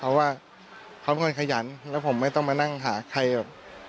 เพราะว่าเขาเป็นคนขยันแล้วผมไม่ต้องมานั่งหาใครแบบ